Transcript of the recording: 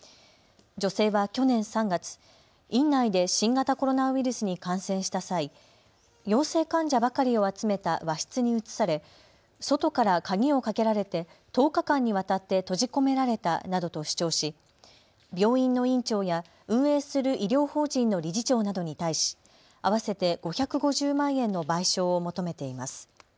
女性は去年３月、院内で新型コロナウイルスに感染した際、陽性患者ばかりを集めた和室に移され外から鍵をかけられて１０日間にわたって閉じ込められたなどと主張し病院の院長や運営する医療法人の理事長などに対し合わせて５５０万円の賠償を求めています。